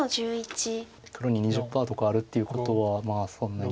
黒に２０％とかあるっていうことはそんなに。